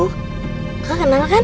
kakak kenal kan